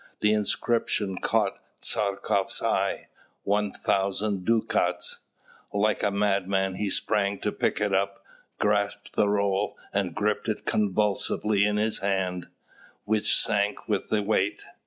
The inscription caught Tchartkoff's eye "1000 ducats." Like a madman, he sprang to pick it up, grasped the roll, and gripped it convulsively in his hand, which sank with the weight.